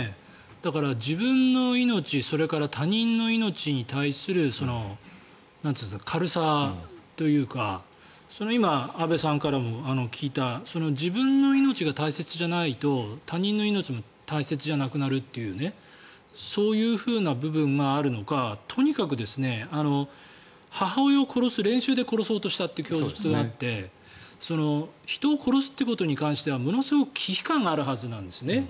だから、自分の命、それから他人の命に対する軽さというか今、安部さんからも聞いた自分の命が大切じゃないと他人の命も大切じゃなくなるというそういう部分があるのかとにかく母親を殺す練習で殺そうとしたという供述があって人を殺すということに関してはものすごく忌避感があるはずなんですね。